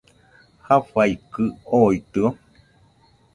¿jafaikɨ ooitɨo.?